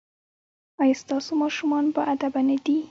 ایا ستاسو ماشومان باادبه نه دي؟